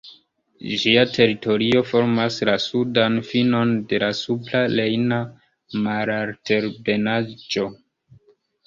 Ĝia teritorio formas la sudan finon de la Supra Rejna Malaltebenaĵo.